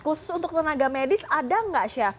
khusus untuk tenaga medis ada nggak chef